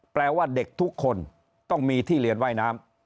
แปลว่าเด็กทุกคนต้องมีที่เรียนว่ายน้ำ